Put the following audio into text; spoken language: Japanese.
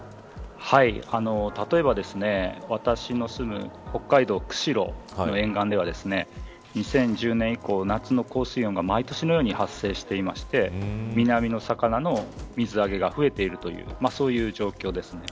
例えば私の住む北海道の釧路の沿岸では２０１０年以降毎年のように発生していて南の魚の水揚げが増えているそういう状況です。